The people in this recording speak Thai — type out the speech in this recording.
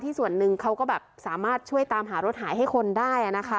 ส่วนหนึ่งเขาก็แบบสามารถช่วยตามหารถหายให้คนได้นะคะ